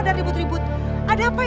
dan aku harap